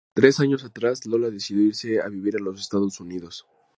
Tres años atrás, Lola decidió irse a vivir a los Estados Unidos.